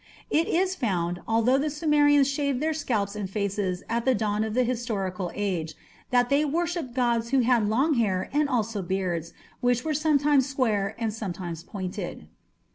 It is found, although the Sumerians shaved their scalps and faces at the dawn of the historical age, that they worshipped gods who had long hair and also beards, which were sometimes square and sometimes pointed.